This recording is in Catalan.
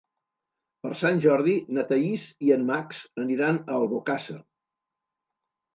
Per Sant Jordi na Thaís i en Max aniran a Albocàsser.